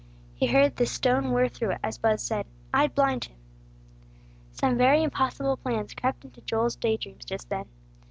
He heard the stone whirr through it, as Buz said: "I'd blind him!" Some very impossible plans crept into Joel's day dreams just then.